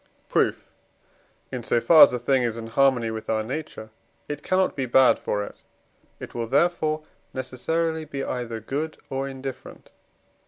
Proof. In so far as a thing is in harmony with our nature, it cannot be bad for it. It will therefore necessarily be either good or indifferent.